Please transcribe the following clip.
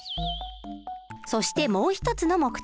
そしてもう一つの目的。